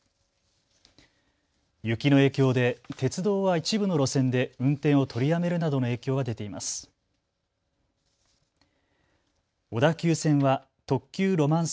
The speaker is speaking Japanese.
雪の影響で鉄道は一部の路線で運転を取りやめるなどの影響が出ています。